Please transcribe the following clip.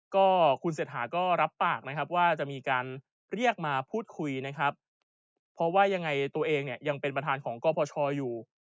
ก็คุณเศรษฐาก็รับปากนะครับว่าจะมีการเรียกมาพูดคุยนะครับเพราะว่ายังไงตัวเองเนี่ยยังเป็นประธานของกพชอยู่